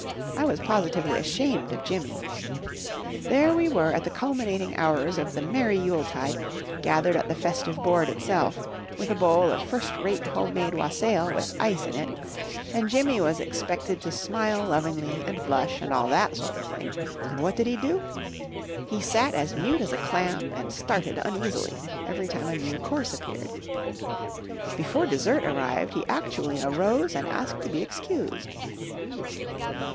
I was positively ashamed of Jimmy. There we were at the culminating hours of the merry Yule tide, gathered at the festive board itself, with a bowl of first rate home made wassail with ice in it, and Jimmy was expected to smile lovingly, and blush, and all that sort of thing, and what did he do? He sat as mute as a clam, and started uneasily every time a new course appeared. Before dessert arrived he actually arose and asked to be excused.